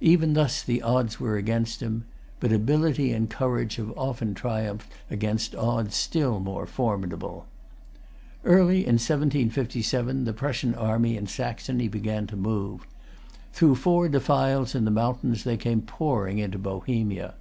Even thus the odds were against him. But ability and courage have often triumphed against odds still more formidable. Early in 1757 the Prussian army in Saxony began to move. Through four defiles in the mountains they came pouring into Bohemia.